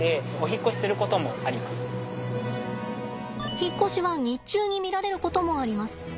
引っ越しは日中に見られることもあります。